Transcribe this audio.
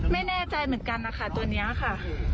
ไม่แน่ใจเหมือนกันนะคะตัวนี้ค่ะ